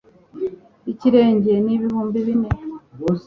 Ikirenge ni ibihumbi bine